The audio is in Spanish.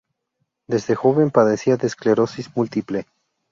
Desde joven padecía de esclerosis múltiple.